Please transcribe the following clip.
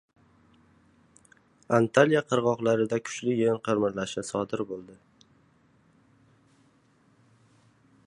Antalya qirg‘oqlarida kuchli yer qimirlashi sodir bo‘ldi